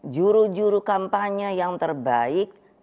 juru juru kampanye yang terbaik